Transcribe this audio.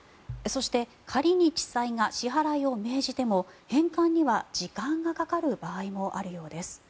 そして仮に地裁が支払いを命じても返還には時間がかかる場合もあるようです。